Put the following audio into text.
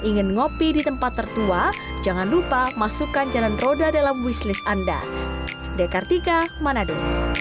ingin ngopi di tempat tertua jangan lupa masukkan jalan roda dalam wishlist anda dekartika manado